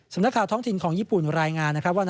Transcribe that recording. สำนักข่าวท้องถิ่นของญี่ปุ่นรายงานว่า